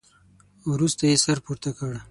وروسته يې سر پورته کړ.